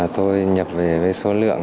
tôi nhập về với số lượng